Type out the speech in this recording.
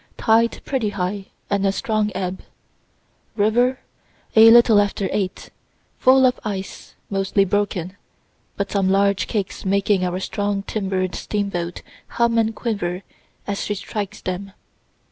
Tide pretty high, and a strong ebb. River, a little after 8, full of ice, mostly broken, but some large cakes making our strong timber'd steamboat hum and quiver as she strikes them.